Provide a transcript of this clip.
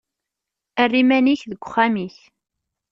Err iman-ik deg uxxam-ik.